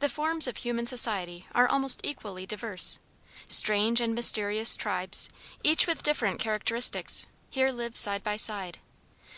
The forms of human society are almost equally diverse. Strange and mysterious tribes, each with different characteristics, here live side by side.